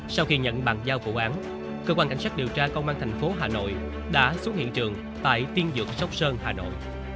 sau khi nhận bàn giao vụ án cơ quan cảnh sát điều tra công an thành phố hà nội đã xuống hiện trường tại tiên dược sóc sơn hà nội